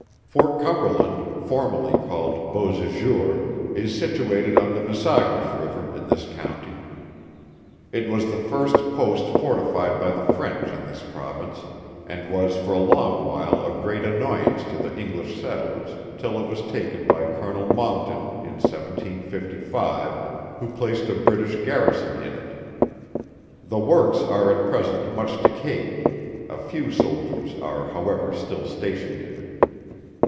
Fort Cumberland formerly called Beausejour, is situated on the Missaguash river in this county. It was the first post fortified by the French in this Province, and was for a long while a great annoyance to the English settlers, till it was taken by Colonel MONCKTON, in 1755, who placed a British Garrison in it. The works are at present much decayed, a few soldiers are however still stationed in it.